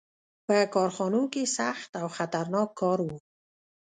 • په کارخانو کې سخت او خطرناک کار و.